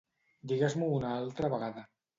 Digues-m'ho una altra vegada.